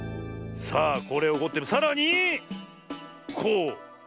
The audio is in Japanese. さあこれをおってさらにこう。